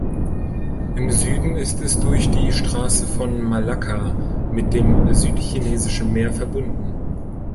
Im Süden ist es durch die Straße von Malakka mit dem Südchinesischen Meer verbunden.